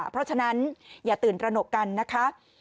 เพราะฉะนั้นอย่าตื่นตระหนกกันนะคะ